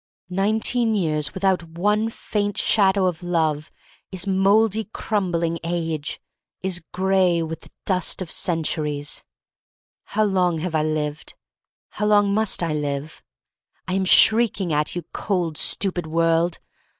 Nineteen years without one faint shadow of love is mouldy, crumbling age — is gray with the dust of centuries. / 28o THE STORY OF MARY MAC LANE How long have I lived? How long must I live? I am shrieking at you, cold, stupid world.